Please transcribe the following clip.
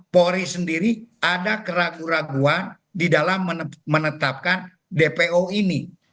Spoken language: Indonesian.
polri sendiri ada keraguan keraguan di dalam menetapkan dpo ini